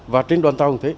và trên đoàn tàu cũng thế